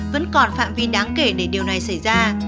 vẫn còn phạm vi đáng kể để điều này xảy ra